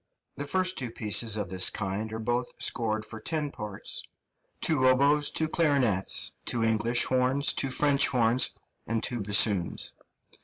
The two first pieces of this kind are both scored for ten parts, two oboes, two clarinets, two English horns, two French horns, and two bassoons.